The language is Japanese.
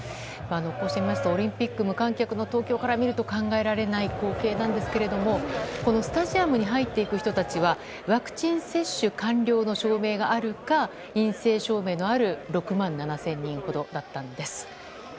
こうして見ますとオリンピック無観客の東京から見ると考えられない光景ですがスタジアムに入っていく人たちはワクチン接種完了の証明があるか、陰性証明のある６万７０００人ほどだったんです。